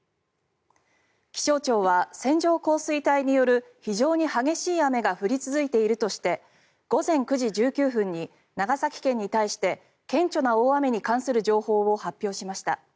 気象庁は線状降水帯による非常に激しい雨が降り続いているとして午前９時１９分に長崎県に対して顕著な大雨に関する情報を発表しました。